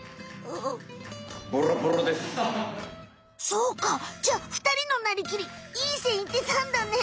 そうかじゃふたりのなりきりいいせんいってたんだね。